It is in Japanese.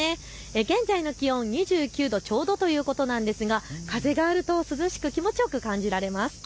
現在の気温、２９度ちょうどということなんですが風があると涼しく、気持ちよく感じられます。